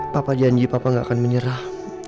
papa janji papa gak akan menyerah